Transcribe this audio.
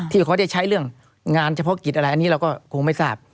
เขาจะใช้เรื่องงานเฉพาะกิจอะไรอันนี้เราก็คงไม่ทราบ